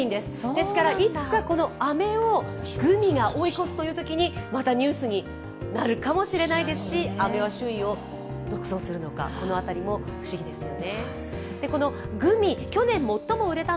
ですから、いつかこのあめをグミが追い越すというときにまたニュースになるかもしれないですし、あめは首位を独走するのか、この辺りも不思議ですよね。